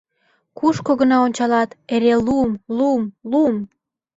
Кушко гына ончалат, эре лум, лум, лум!